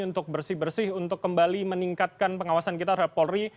untuk bersih bersih untuk kembali meningkatkan pengawasan kita terhadap polri